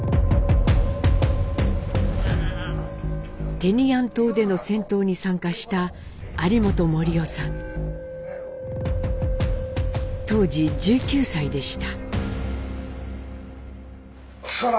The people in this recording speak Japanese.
テニアン島での戦闘に参加した当時１９歳でした。